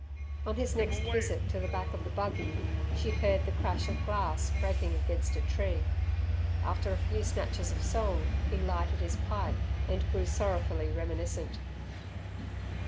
On his next visit to the back of the buggy she heard the crash of glass breaking against a tree. After a few snatches of song he lighted his pipe, and grew sorrowfully reminiscent.